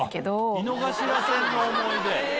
井の頭線の思い出。